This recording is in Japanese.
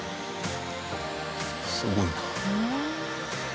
すごいな。